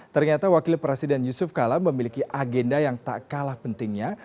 ternyata wakil presiden yusuf kala memiliki agenda yang tak kalah pentingnya